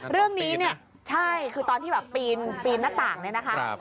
เรื่องนี้เนี่ยใช่คือตอนที่แบบปีนหน้าต่างเนี่ยนะคะ